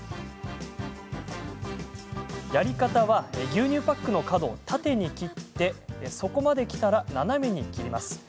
やり方は牛乳パックの角を縦に切って底まできたら、斜めに切ります。